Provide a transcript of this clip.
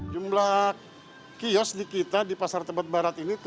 jumlah kios di kita di pasar tebet barat ini tujuh ratus sembilan puluh